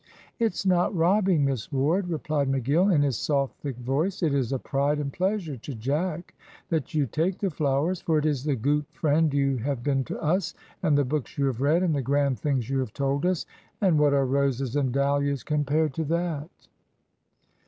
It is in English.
"It's not robbing, Miss Ward," replied McGill, in his soft thick voice. "It is a pride and pleasure to Jack that you take the flowers, for it is the goot friend you have been to us, and the books you have read, and the grand things you have told us, and what are roses and dahlias compared to that?"